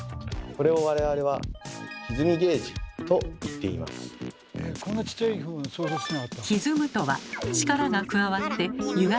これを我々は「ひずみゲージ」と言っています。